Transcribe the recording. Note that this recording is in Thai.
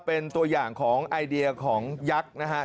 เป็นตัวอย่างของไอเดียของยักษ์นะครับ